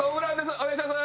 お願いします。